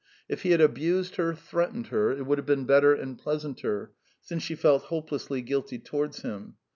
If he had abused her, threatened her, it would have been better and pleasanter, since she felt hopelessly guilty towards him.